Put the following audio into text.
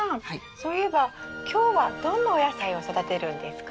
そういえば今日はどんなお野菜を育てるんですか？